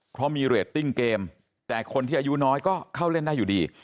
เพราะมีเรตติ้งเกมแต่คนที่อายุน้อยก็เข้าเล่นได้อยู่ดี